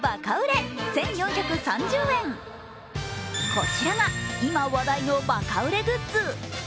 こちらが今、話題のバカ売れグッズ。